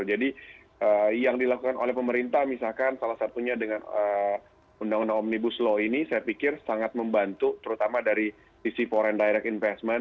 jadi yang dilakukan oleh pemerintah misalkan salah satunya dengan undang undang omnibus law ini saya pikir sangat membantu terutama dari sisi foreign direct investment